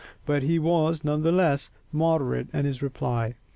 But he was none the less moderate in his reply.